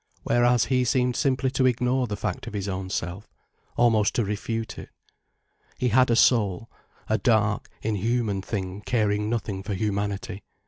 Whereas he seemed simply to ignore the fact of his own self, almost to refute it. He had a soul—a dark, inhuman thing caring nothing for humanity.